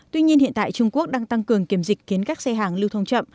tuy nhiên hiện tại trung quốc đang tăng cường kiểm dịch khiến các xe hàng lưu thông chậm